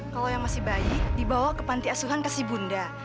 kalau yang masih bayi dibawa ke panti asuhan kasih bunda